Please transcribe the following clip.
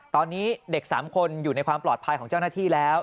ตอนนี้เด็ก๓คนอยู่ในความปลอดภัยของเจ้าหน้าที่แล้ว